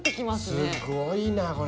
すごいなこれ。